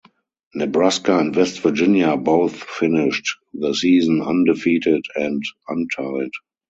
Nebraska and West Virginia both finished the season undefeated and untied.